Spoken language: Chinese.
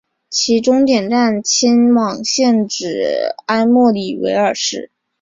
其终点站迁往现址埃默里维尔市。